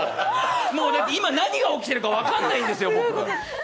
今何が起きているか分かんないんですよ、もう。